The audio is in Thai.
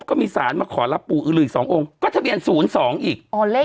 ก็มีศาลมาขอรับปู่อื่น๒องค์ก็ทะเบียน๐๒อีก